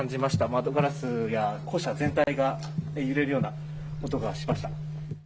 窓ガラスや校舎全体が揺れるような音がしました。